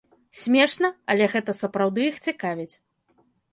Смешна, але гэта сапраўды іх цікавіць.